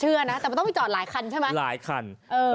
นะแต่มันต้องไปจอดหลายคันใช่ไหมหลายคันเออ